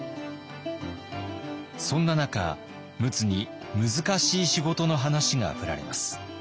そんな中陸奥に難しい仕事の話が振られます。